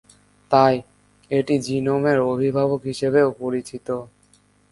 তাই, এটি জিনোমের অভিভাবক হিসেবেও পরিচিত।